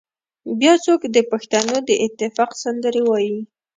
بيا څوک د پښتنو د اتفاق سندرې وايي